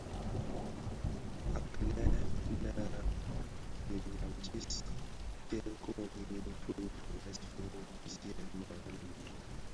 Akilè le tinyamtis tyè kori ki firès fi pisiyèn merėli mii.